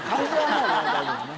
もう大丈夫ね